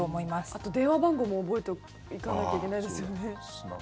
あと、電話番号も覚えておかなきゃいけないですよね。